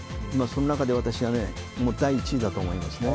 その中でも私が第１位だと思いますね。